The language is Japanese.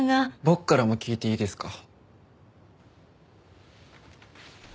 僕からも聞いていいですか？